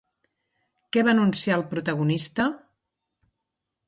Què va anunciar el protagonista?